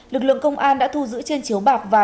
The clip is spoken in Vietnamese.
lực lượng công an đã thu giữ trên chiếu bạc và